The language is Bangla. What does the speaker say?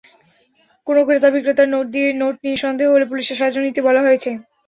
কোনো ক্রেতা বিক্রেতার নোট নিয়ে সন্দেহ হলে পুলিশের সাহায্য নিতে বলা হয়েছে।